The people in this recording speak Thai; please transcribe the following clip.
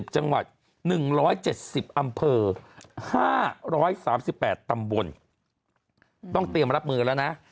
๗จังหวัด๑๗๐อำเภอ๕๓๘ตำบลต้องเตรียมรับมือแล้วนะ